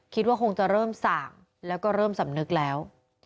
คิดว่าคงจะเริ่มส่างแล้วก็เริ่มสำนึกแล้ว